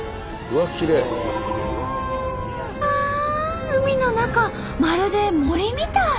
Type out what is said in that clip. ああ海の中まるで森みたい！